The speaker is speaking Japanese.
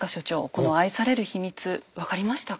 この愛されるヒミツ分かりましたか？